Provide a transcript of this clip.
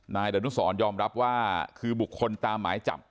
นายดนุสรยอมรับว่าคือบุคคลตามหมายจับ